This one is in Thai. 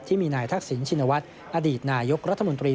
ที่มีนายทักษิณชินวัฒน์อดีตนายกรัฐมนตรี